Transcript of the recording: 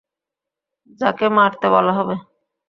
যাকে মারতে বলা হবে।